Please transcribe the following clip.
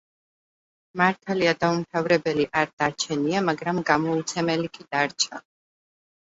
მართალია დაუმთავრებელი არ დარჩენია, მაგრამ გამოუცემელი კი დარჩა.